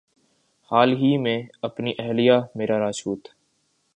حال ہی میں اپنی اہلیہ میرا راجپوت